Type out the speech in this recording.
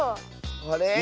あれ？